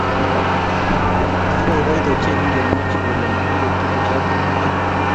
Kibaibait ochei kingemwochi kole magiibe tuguchoto buuch